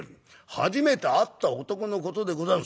初めて会った男のことでござんす。